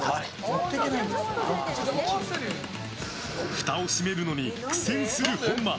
ふたを閉めるのに苦戦する本間。